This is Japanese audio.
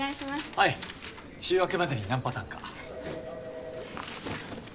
はい週明けまでに何パターンか。